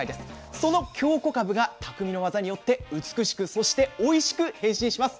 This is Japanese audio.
その京こかぶが匠の技によって美しくそしておいしく変身します。